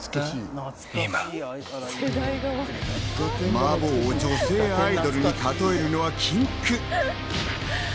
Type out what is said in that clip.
マー坊を女性アイドルに例えるのは禁句。